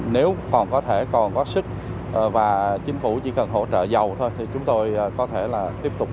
nếu còn có thể còn góp sức và chính phủ chỉ cần hỗ trợ dầu thôi thì chúng tôi có thể là tiếp tục